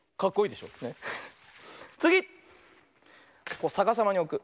こうさかさまにおく。